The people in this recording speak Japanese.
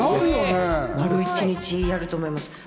丸一日やると思います。